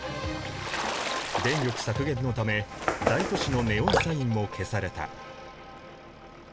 電力削減のため大都市のネオンサインも消された。